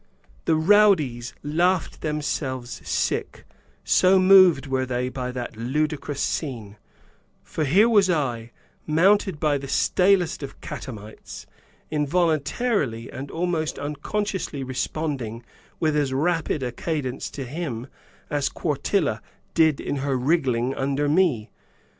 The rowdies laughed themselves sick, so moved were they by that ludicrous scene, for here was I, mounted by the stalest of catamites, involuntarily and almost unconsciously responding with as rapid a cadence to him as Quartilla did in her wriggling under me.